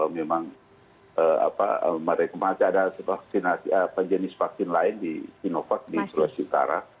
memang mereka masih ada jenis vaksin lain di sinovac di sulawesi utara